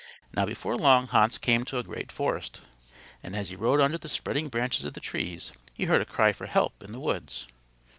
Now before long Hans came to a great forest and as he rode under the spreading branches of the trees he heard a cry for help in the woods.